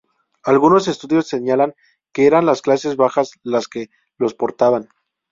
Algunos estudiosos señalan que eran las clases bajas las que los portaban.